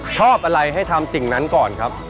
ชอบอะไรให้ทำสิ่งนั้นก่อนครับ